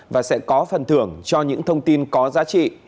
và sẽ có phần thưởng cho những thông tin có giá trị